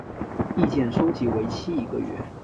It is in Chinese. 意见收集为期一个月。